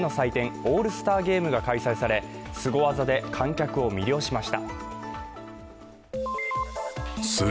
オールスターゲームが開催されスゴ技で観客を魅了しました。